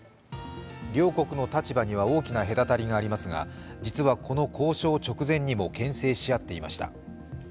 両国の立場には大きな隔たりがありますが実はこの交渉直前にも牽制し合っていました。